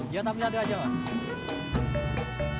ya tapi nanti aja wak